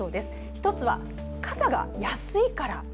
１つは、傘が安いから。